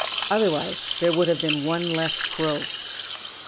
Otherwise there would have been one less Crow.